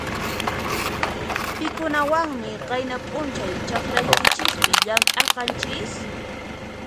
Pikunawanmi qayna p'unchay chakraykichispi llamk'arqanchis?